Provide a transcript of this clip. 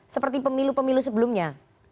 seperti pemilu pemilu sebelumnya